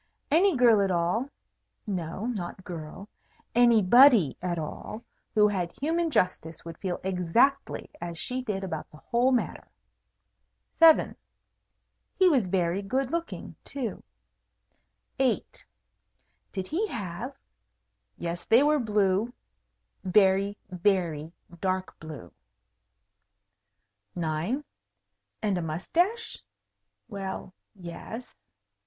Any girl at all no, not girl, anybody at all who had human justice would feel exactly as she did about the whole matter. 7. He was very good looking, too. 8. Did he have yes, they were blue. Very, very dark blue. 9. And a moustache? Well, yes.